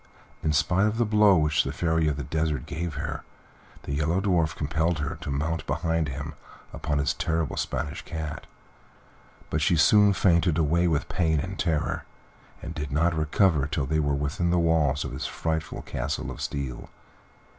In spite of the blow which the Fairy of the Desert gave her, the Yellow Dwarf compelled her to mount behind him upon his terrible Spanish cat; but she soon fainted away with pain and terror, and did not recover till they were within the walls of his frightful Castle of Steel.